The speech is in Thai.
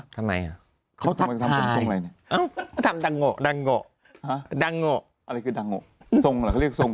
ทำไมเขาทักทายทำดังโงะอะไรคือดังโงะทรงหรอเขาเรียกทรง